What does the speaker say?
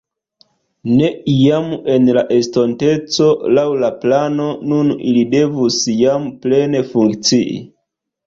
Ne iam en la estonteco laŭ la plano nun ili devus jam plene funkcii.